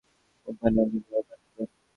Company অনেক লাভবান হবে।